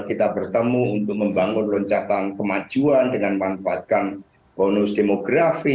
kita bertemu untuk membangun loncatan kemajuan dengan manfaatkan bonus demografi